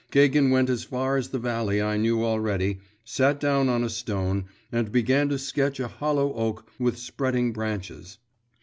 Gagin went as far as the valley I knew already, sat down on a stone, and began to sketch a hollow oak with spreading branches.